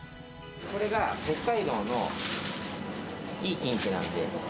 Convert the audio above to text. これが北海道のいいキンキなんで。